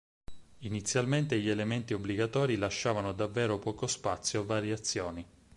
Inizialmente gli elementi obbligatori lasciavano davvero poco spazio a variazioni.